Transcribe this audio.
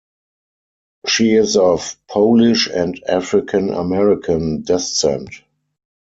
She is of Polish and African-American descent.